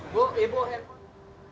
bo ya boh ya boh